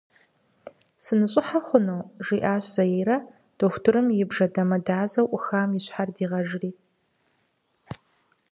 «Сыныщӏыхьэ хъуну?» жиӏащ Заирэ, дохутырым и бжэ дамэдазэу ӏухам и щхьэр дигъэжыри.